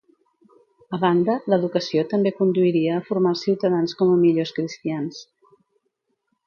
A banda, l'educació també conduiria a formar els ciutadans com a millors cristians.